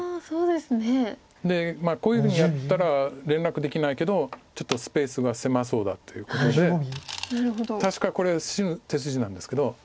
でこういうふうにやったら連絡できないけどちょっとスペースが狭そうだということで確かこれ死ぬ手筋なんですけど。